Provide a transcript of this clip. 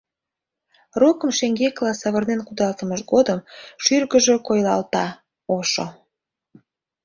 Рокым шеҥгекыла савырнен кудалтымыж годым шӱргыжӧ койылалта — ошо.